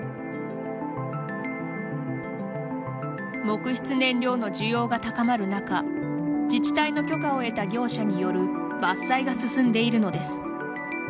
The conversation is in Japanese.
木質燃料の需要が高まる中自治体の許可を得た業者による伐採が進んでいるのです。